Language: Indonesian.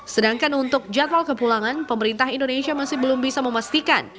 sedangkan untuk jadwal kepulangan pemerintah indonesia masih belum bisa memastikan